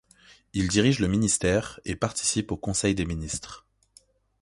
Il dirige le ministère et participe au Conseil des ministres.